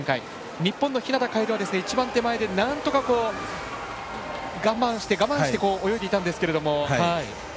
日本の日向楓は一番手前でなんとか我慢して、我慢して泳いでいたんですけれども。